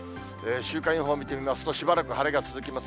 週間予報を見てみますと、しばらく晴れが続きます。